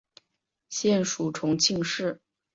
现属重庆市。